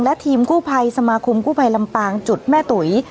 และทีมกู้ภัยสมาคมกู้ภัยลำปางจุดแม่ตุ๋ย